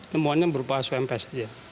temuannya berupa suempes